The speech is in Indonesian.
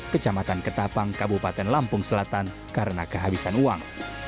kecamatan ketapang kabupaten lampung selatan karena kehabisan uang